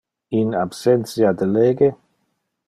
In absentia de lege.